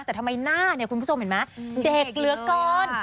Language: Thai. แต่ทำไมหน้าเนี่ยคุณผู้ชมเห็นไหมเด็กเหลือเกิน